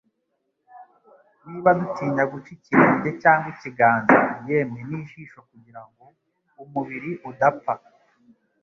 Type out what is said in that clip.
Niba dutinya guca ikirenge cyangwa ikiganza yemwe n'ijisho kugira ngo umubiri udapfa,